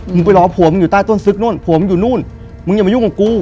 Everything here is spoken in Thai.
ไปรอผมอยู่ใต้ต้นซึกนู่นผมอยู่นู่นมึงอย่ามายุ่งกับกู